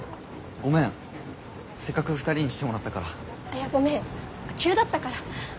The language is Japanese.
いやごめん急だったから。